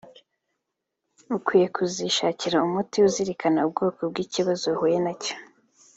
ukwiye kuzishakira umuti uzirikana ubwoko bw’ikibazo uhuye na cyo